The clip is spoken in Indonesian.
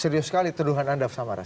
serius sekali tuduhan anda samara